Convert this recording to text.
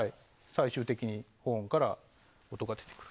最終的にホーンから音が出てくる。